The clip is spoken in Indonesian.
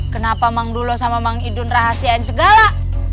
kenapa emang dulu sama emang idun rahasiain segala